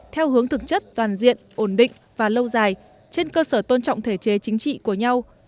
theo hướng thực chất toàn diện ổn định và lâu dài trên cơ sở tôn trọng thể chế chính trị của nhau